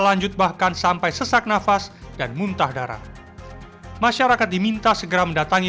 lanjut bahkan sampai sesak nafas dan muntah darah masyarakat diminta segera mendatangi